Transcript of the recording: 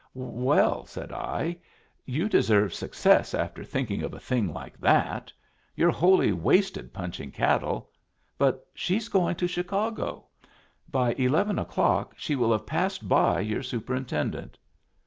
"Well," said I, "you deserve success after thinking of a thing like that! You're wholly wasted punching cattle. But she's going to Chicago. By eleven o'clock she will have passed by your superintendent."